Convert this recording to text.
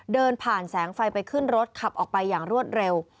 เดินผ่านแสงไฟไปขึ้นรถขับออกไปอย่างรวดเร็ว